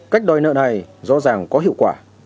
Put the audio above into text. cách đòi nợ này rõ ràng có hiệu quả